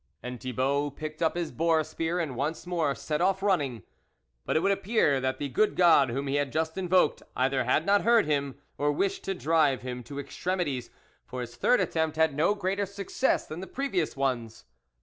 And Thibault picked up his boar spear and once more set off running. But it would appear that the good God whom he had just invoked, either had not heard him, or wished to drive him to extremities, for his third attempt had no greater success than the previous ones.